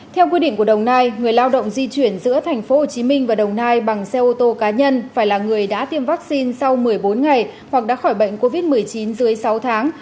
theo quy định của đồng nai người lao động di chuyển giữa thành phố hồ chí minh và đồng nai bằng xe ô tô cá nhân phải là người đã tiêm vaccine sau một mươi bốn ngày hoặc đã khỏi bệnh covid một mươi chín dưới sáu tháng